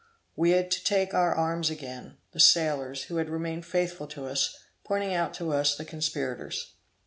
We had to take to our arms again, the sailors, who had remained faithful to us, pointing out to us the conspirators.